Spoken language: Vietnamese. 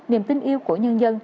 niềm tính yêu của nhân dân